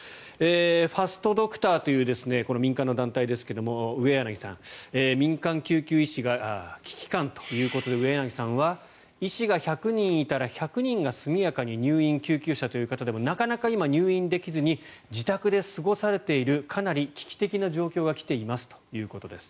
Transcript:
ファストドクターという民間の団体ですが、上柳さん民間救急医師が危機感ということで上柳さんは医師が１００人いたら１００人が速やかに入院・救急車と言う方でもなかなか入院できずに自宅で過ごされているかなり危機的な状況が来ていますということです。